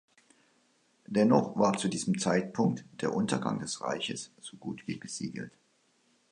Dennoch war zu diesem Zeitpunkt der Untergang des Reiches so gut wie besiegelt.